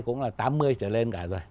cũng là tám mươi trở lên cả rồi